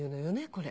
これ。